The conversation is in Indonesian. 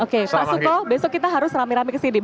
oke pak suko besok kita harus rame rame ke sini